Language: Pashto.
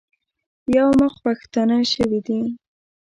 یو مخ پښتانه شوي دي.